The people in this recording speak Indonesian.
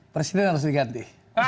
presiden harus diganti